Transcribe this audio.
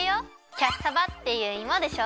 キャッサバっていうイモでしょ？